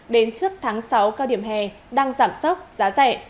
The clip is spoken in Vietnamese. đến trước tháng sáu cao điểm hè đang giảm sốc giá rẻ